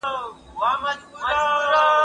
زه څلور ورځي مهلت درڅخه غواړم